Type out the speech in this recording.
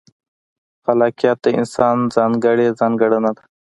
خلاقیت د انسان ځانګړې ځانګړنه ده.